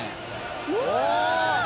うわ！